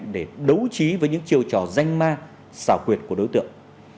để đấu trí với những chiêu trò danh ma xảo quyệt của đối tượng